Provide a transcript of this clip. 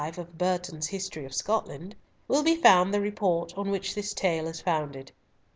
v. of Burton's History of Scotland, will be found the report on which this tale is founded.